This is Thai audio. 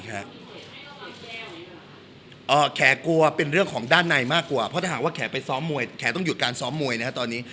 แขกกลัวเป็นเรื่องของด้านในมากกว่าเพราะถ้าหากว่าแขไปซ้อมมวยแขต้องหยุดการซ้อมมวยนะครับตอนนี้